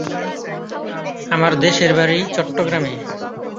আমার দেশের বাড়ি চট্টগ্রামে।